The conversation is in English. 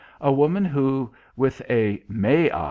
A woman who, with a "May I?"